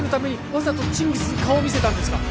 わざとチンギスに顔を見せたんですか？